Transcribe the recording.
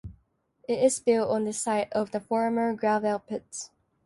It is built on the site of a former gravel pits.